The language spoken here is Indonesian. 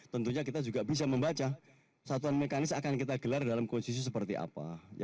tentunya kita juga bisa membaca satuan mekanis akan kita gelar dalam kondisi seperti apa